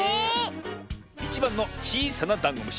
１ばんのちいさなダンゴムシ。